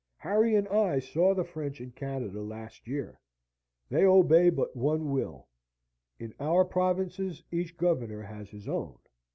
Harry and I saw the French in Canada last year. They obey but one will: in our provinces each governor has his own.